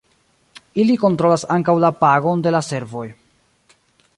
Ili kontrolas ankaŭ la pagon de la servoj.